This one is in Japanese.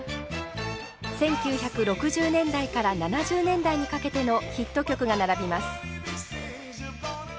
１９６０年代から７０年代にかけてのヒット曲が並びます。